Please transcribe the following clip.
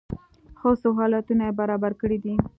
ښه سهولتونه یې برابر کړي دي.